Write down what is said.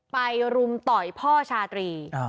รุมต่อยพ่อชาตรี